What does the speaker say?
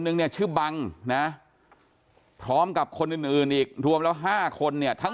นึงเนี่ยชื่อบังนะพร้อมกับคนอื่นอื่นอีกรวมแล้ว๕คนเนี่ยทั้ง